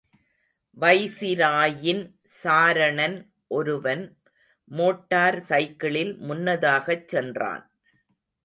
வைசிராயின் சாரணன் ஒருவன் மோட்டார் சைக்கிளில் முன்னதாகச் சென்றான்.